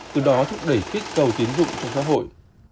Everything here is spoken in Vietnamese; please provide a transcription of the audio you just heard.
từ đó thúc đẩy kích cầu tiến dụng trong xã hội